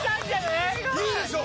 いいでしょ！